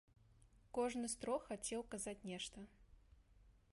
Кожны з трох хацеў казаць нешта.